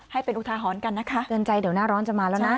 ให้เป็นอุทาหรณ์กันนะคะเตือนใจเดี๋ยวหน้าร้อนจะมาแล้วนะ